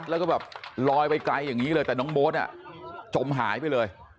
แล้วก็แบบลอยไปไกลอย่างนี้เลยแต่น้องโบ๊ทจมหายไปเลย